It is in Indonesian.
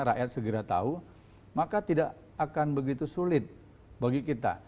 rakyat segera tahu maka tidak akan begitu sulit bagi kita